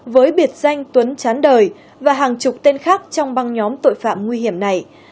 với biệt danh tuấn chán đời và hàng chục tên khác trong băng nhóm tội phạm nguy hiểm này